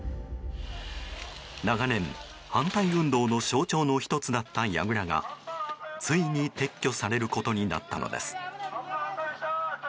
長年、反対運動の象徴の１つだったやぐらがついに撤去されることになったのです。